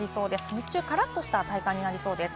日中はからっとした体感になりそうです。